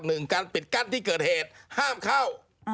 การปิดกั้นที่เกิดเหตุห้ามเข้า